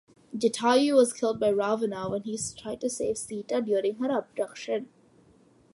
Jatayu was killed by Ravana when he tried to save Sita during her abduction.